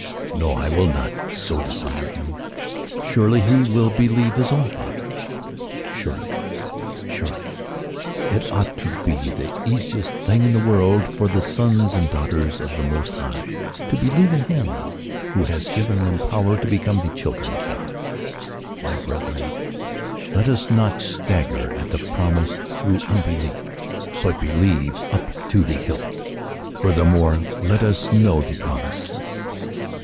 No, I will not so dishonor him ; surely he will believe his own Father ! Surely, surely it ought to be the easiest thing in the world for the sons and daughters of the Most High to believe in him who has given them power to become the children of God ! My brethren, let us not stagger at the promise through unbelief, but believe up to the hilt ! Furthermore, let us know the promises.